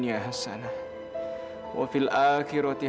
tuhan kami memberi kami kematian